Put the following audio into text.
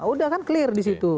udah kan clear disitu